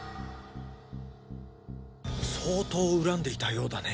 相当恨んでいたようだね。